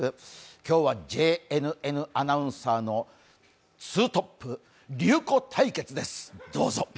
今日はＪＮＮアナウンサーのツートップ、竜虎対決です、どうぞ！